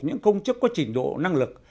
những công chức có trình độ năng lực